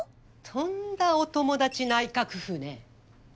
とんだお友達内閣府ね。